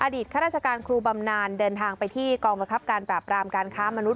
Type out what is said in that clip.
ข้าราชการครูบำนานเดินทางไปที่กองบังคับการปราบรามการค้ามนุษ